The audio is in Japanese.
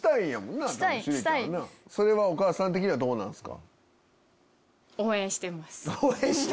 それはお母さん的にはどうなんすか？